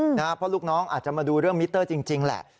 เพราะลูกน้องอาจจะมาดูเรื่องมิเตอร์จริงแหละ